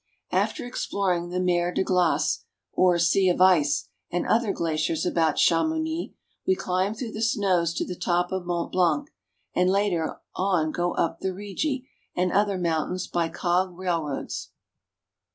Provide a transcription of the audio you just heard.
After exploring the Mer de Glace (mar d' glas), or Sea of Ice, and other glaciers about Chamouni, we climb through the snows to the top of Mont Blanc, and later on go up the Rigi and other mountains by cog railroads.